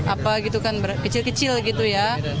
apa gitu kan kecil kecil gitu ya